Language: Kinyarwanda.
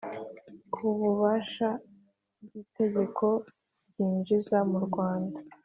kububasha bw itegeko ryinjiza mu Rwanda